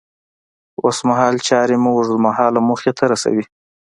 اوسمهال چارې مو اوږد مهاله موخې ته رسوي.